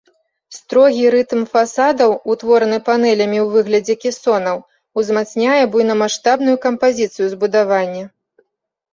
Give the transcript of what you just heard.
Строгі рытм фасадаў, утвораны панелямі ў выглядзе кесонаў, узмацняе буйнамаштабную кампазіцыю збудавання.